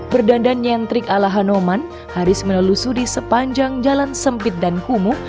berdandan nyentrik ala hanoman haris menelusuri sepanjang jalan sempit dan kumuh